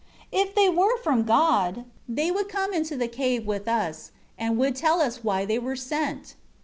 8 If they were from God, they would come into the cave with us, and would tell us why they were sent."